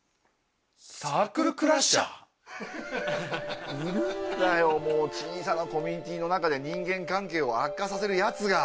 サークルクラッシャー？いるんだよ小さなコミュニティーの中で人間関係を悪化させるヤツが！